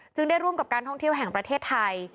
ได้ร่วมกับการท่องเที่ยวแห่งประเทศไทย